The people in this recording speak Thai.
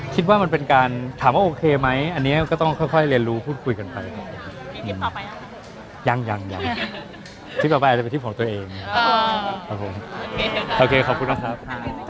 คิดว่ามันเป็นการถามว่าโอเคไหมอันนี้ก็ต้องค่อยเรียนรู้พูดคุยกันไปก่อนยังยังคิดต่อไปอาจจะเป็นที่ของตัวเองครับผมโอเคขอบคุณนะครับ